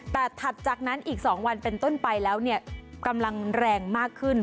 แต่ถัดจากนั้นอีก๒วันเป็นต้นไปแล้วเนี่ยกำลังแรงมากขึ้น